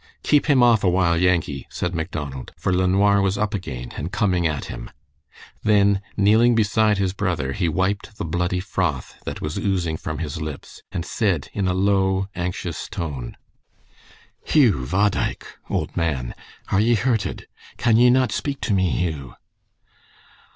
"Keep him off a while, Yankee!" said Macdonald, for LeNoir was up again, and coming at him. Then kneeling beside his brother he wiped the bloody froth that was oozing from his lips, and said in a low, anxious tone: "Hugh, bhodaich (old man), are ye hurted? Can ye not speak to me, Hugh?"